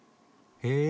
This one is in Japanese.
へえ。